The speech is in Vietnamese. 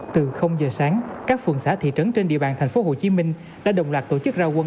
từ giờ sáng các phường xã thị trấn trên địa bàn tp hcm đã đồng loạt tổ chức ra quân